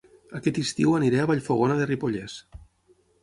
Aquest estiu aniré a Vallfogona de Ripollès